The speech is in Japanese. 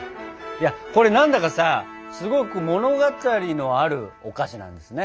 いやこれ何だかさすごく物語のあるお菓子なんですね。